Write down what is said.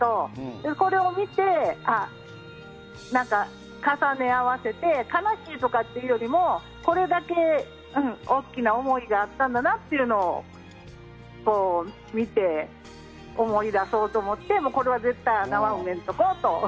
でもこれを見て重ね合わせて悲しいとかっていうよりもこれだけ大きな思いがあったんだなと見て、思い出そうと思ってこれは絶対穴は埋めんでおこうと。